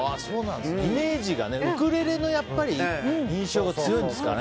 イメージがウクレレの印象が強いんですかね。